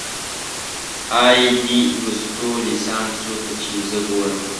اې، دې لوستو ليسانسو ته چې زه ګورم